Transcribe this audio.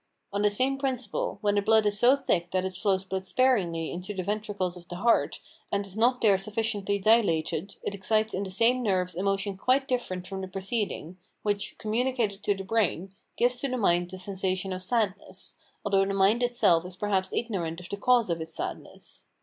On the same principle, when the blood is so thick that it flows but sparingly into the ventricles of the heart, and is not there sufficiently dilated, it excites in the same nerves a motion quite different from the preceding, which, communicated to the brain, gives to the mind the sensation of sadness, although the mind itself is perhaps ignorant of the cause of its sadness.